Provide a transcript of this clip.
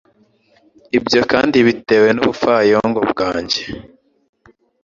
ibyo kandi bitewe n’ubupfayongo bwanjye